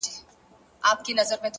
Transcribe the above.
هره ورځ د زده کړې نوې لاره ده,